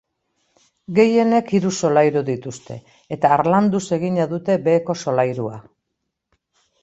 Gehienek hiru solairu dituzte, eta harlanduz egina dute beheko solairua.